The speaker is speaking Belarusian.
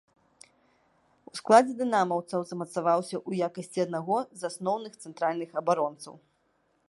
У складзе дынамаўцаў замацаваўся ў якасці аднаго з асноўных цэнтральных абаронцаў.